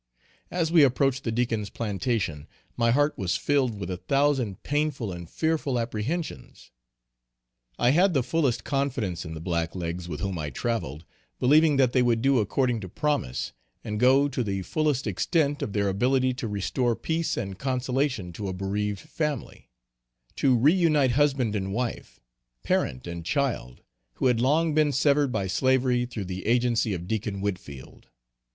As we approached the Deacon's plantation, my heart was filled with a thousand painful and fearful apprehensions. I had the fullest confidence in the blacklegs with whom I travelled, believing that they would do according to promise, and go to the fullest extent of their ability to restore peace and consolation to a bereaved family to re unite husband and wife, parent and child, who had long been severed by slavery through the agency of Deacon Whitfield.